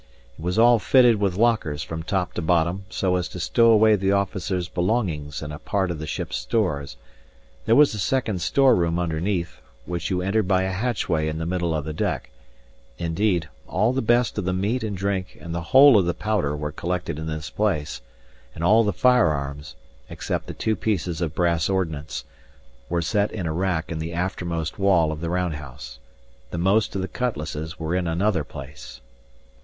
It was all fitted with lockers from top to bottom, so as to stow away the officers' belongings and a part of the ship's stores; there was a second store room underneath, which you entered by a hatchway in the middle of the deck; indeed, all the best of the meat and drink and the whole of the powder were collected in this place; and all the firearms, except the two pieces of brass ordnance, were set in a rack in the aftermost wall of the round house. The most of the cutlasses were in another place.